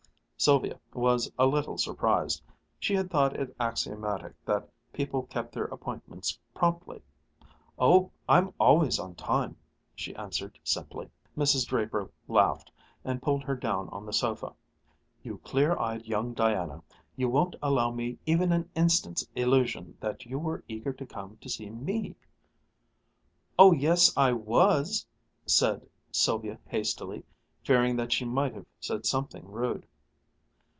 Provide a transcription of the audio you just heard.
Sylvia was a little surprised. She had thought it axiomatic that people kept their appointments promptly. "Oh, I'm always on time," she answered simply. Mrs. Draper laughed and pulled her down on the sofa. "You clear eyed young Diana, you won't allow me even an instant's illusion that you were eager to come to see me!" "Oh yes, I was!" said Sylvia hastily, fearing that she might have said something rude.